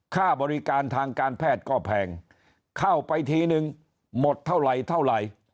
ค่าบริการทางการแพทย์ก็แพงเข้าไปทีนึงหมดเท่าไหร่เท่าไหร่